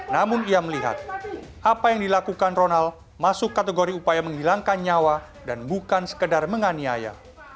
namun ia melihat apa yang dilakukan ronald masuk kategori upaya menghilangkan nyawa dan bukan sekedar menganiaya